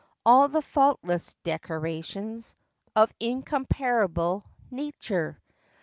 All the faultless decorations Of incomparable nature!